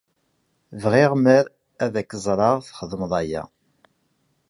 Bɣiɣ mer ad k-ẓreɣ txeddmeḍ aya.